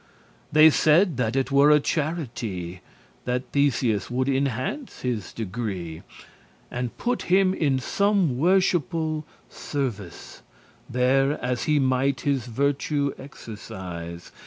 They saide that it were a charity That Theseus would *enhance his degree*, *elevate him in rank* And put him in some worshipful service, There as he might his virtue exercise.